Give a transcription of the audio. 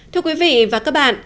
thưa quý vị và các bạn